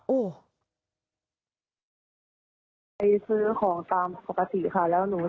ไปซื้อของตามปกติค่ะ